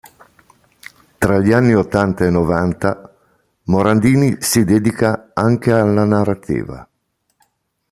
Tra gli anni Ottanta e Novanta Morandini si dedica anche alla narrativa.